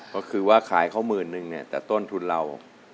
ก็คิดว่าขายเข้าหมื่นหนึ่งแต่ต้นทุนเรา